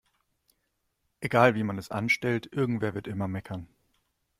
Egal wie man es anstellt, irgendwer wird immer meckern.